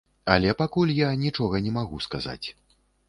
Але пакуль я нічога не магу сказаць.